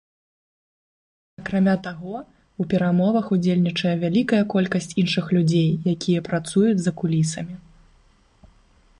Акрамя таго, у перамовах удзельнічае вялікая колькасць іншых людзей, якія працуюць за кулісамі.